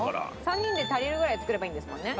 ３人で足りるぐらい作ればいいんですもんね。